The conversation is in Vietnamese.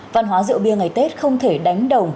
văn hóa rượu bia ngày tết không thể đánh đồng